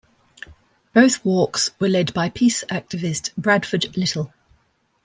Both walks were led by peace activist Bradford Lyttle.